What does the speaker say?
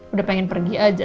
udah pengen pergi aja